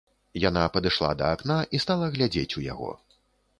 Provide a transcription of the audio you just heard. Яна падышла да акна і стала глядзець у яго.